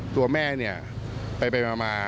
ตัวแม่ไปมา